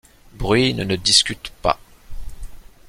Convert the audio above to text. Bruine ne discute pas.